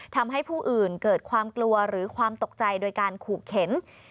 ทำให้ผู้อื่นเกิดความกลัวหรือความตกใจโดยการขู่เข็น